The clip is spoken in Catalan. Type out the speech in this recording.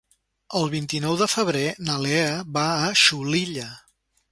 El vint-i-nou de febrer na Lea va a Xulilla.